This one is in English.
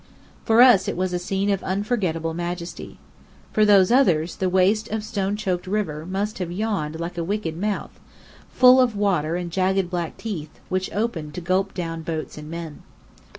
For us it was a scene of unforgettable majesty. For those others, the waste of stone choked river must have yawned like a wicked mouth, full of water and jagged black teeth, which opened to gulp down boats and men.